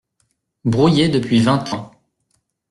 Brouillés depuis vingt ans.